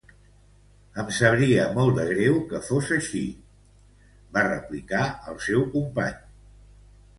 "Em sabria molt de greu que fos així", va replicar el seu company.